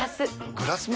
グラスも？